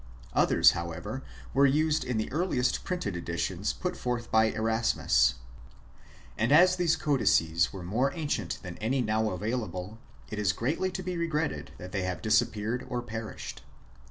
Others, however, were used in the earliest printed editions put forth by Erasmus. And as these codices were more ancient than any now available, it is greatly to be regretted that they have disappeared or perished.